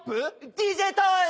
ＤＪタイム！